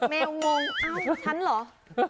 แมวงงอ้าวฉันเหรอ